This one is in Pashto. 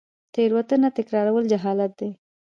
تیروتنه تکرارول جهالت دی